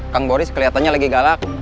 kang boris kelihatannya lagi galak